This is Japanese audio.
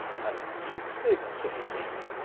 食生活をちょっと見ていきましょうか。